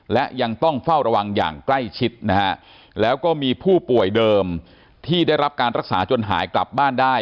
และยังต้องเฝ้าระวังอย่างใกล้ชิดนะฮะแล้วก็มีผู้ป่วยเดิมที่ได้รับการรักษาจนหายกลับบ้านได้